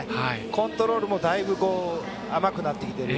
コントロールもだいぶ甘くなってきている。